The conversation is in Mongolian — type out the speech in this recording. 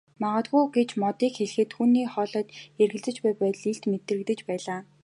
Магадгүй гэж Модыг хэлэхэд түүний хоолойд эргэлзэж буй байдал илт мэдрэгдэж байлаа.